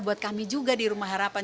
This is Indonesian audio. buat kami juga di rumah harapan